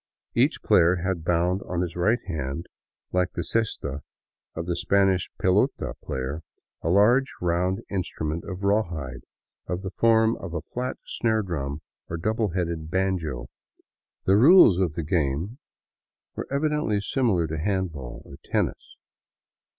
Each player had bound on his right hand, like the cesta of the Spanish pelota player, a large, round instrument of rawhide, of the form of a flat snare drum or a double headed banjo. The rules of the game were evidently similar to handball or tennis.